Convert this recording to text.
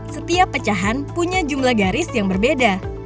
setiap pecahan punya jumlah garis yang berbeda